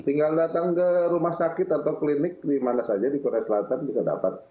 tinggal datang ke rumah sakit atau klinik di mana saja di korea selatan bisa dapat